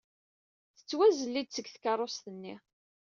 Tettwazelli-d seg tkeṛṛust-nni.